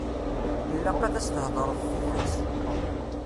Ilaq ad as-theḍṛeḍ tidet.